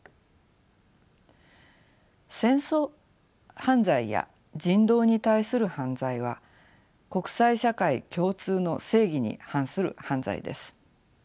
戦争犯罪や人道に対する犯罪は国際社会共通の正義に反する犯罪です。